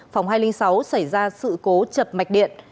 hai trăm linh bốn phòng hai trăm linh sáu xảy ra sự cố chập mạch điện